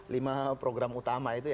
lima program utama itu